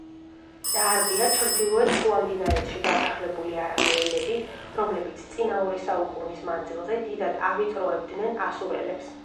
დაარბია ჩრდილოეთ შუამდინარეთში დასახლებული არამეელები, რომლებიც წინა ორი საუკუნის მანძილზე დიდად ავიწროებდნენ ასურელებს.